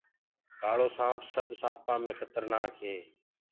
ڪآݪوسآنٚپ سب سآپآنٚ مي کترنآڪ هي